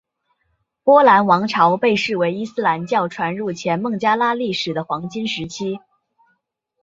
波罗王朝被视为伊斯兰教传入前孟加拉历史的黄金时期。